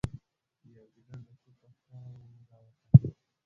یو ګیدړ د شپې په ښکار وو راوتلی